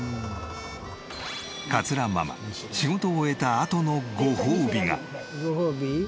桂ママ仕事を終えたあとのごほうびが。